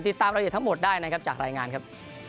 ติดตามรายละเอียดทั้งหมดได้นะครับจากรายงานครับ